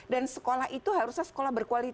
dan sekolah itu harusnya sekolah bergantung